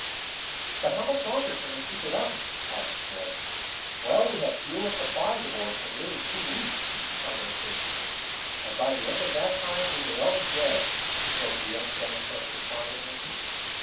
"But how much longer can they keep it up?" asked Ned. "Well, we have fuel and supplies aboard for nearly two weeks," Tom answered. "And by the end of that time we may all be dead," spoke the young bank clerk despondently.